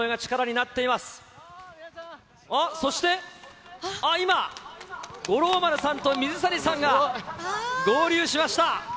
あっ、そして、今、五郎丸さんと水谷さんが、合流しました。